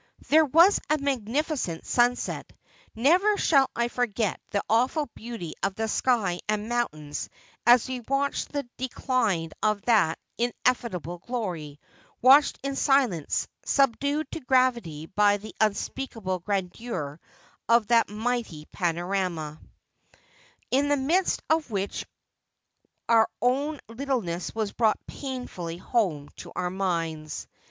' There was a magnificent sunset. Never shall I forget the awful beauty of the sky and mountains as we watched the decline of that ineffable glory — watched in silence, subdued to gravity by the unspeakable grandeur of that mighty panorama, in the midst of which our own littleness was brought painfully home to our minds.